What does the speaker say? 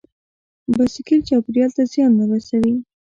بایسکل چاپېریال ته زیان نه رسوي.